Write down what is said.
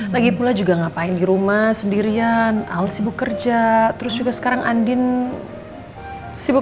lagi pula juga ngapain di rumah sendirian al sibuk kerja terus juga sekarang andin sibuk